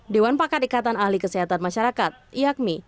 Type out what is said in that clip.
dewan pakat ikatan ahli kesehatan masyarakat iakmi